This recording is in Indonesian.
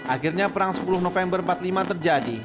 akhirnya perang sepuluh november seribu sembilan ratus lima terjadi